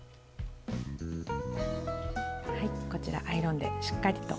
こちらアイロンでしっかりと。